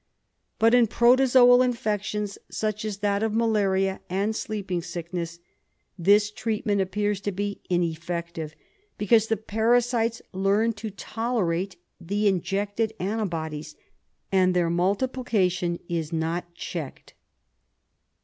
But in protozoal infections, such as that of malaria and sleeping sickness, this treatment appears to be ineffective, because the parasites learn to tolerate the in jected antibodies, and their multiplication is not checked.